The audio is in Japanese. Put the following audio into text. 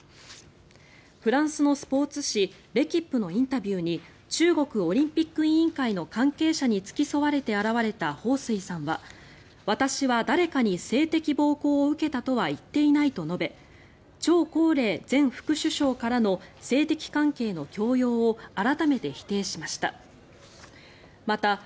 フランスのスポーツ紙レキップのインタビューに中国オリンピック委員会の関係者に付き添われて現れたホウ・スイさんは私は誰かに性的暴行を受けたとは言っていないと述べチョウ・コウレイ前副首相からの性的関係の強要を改めて否定しました。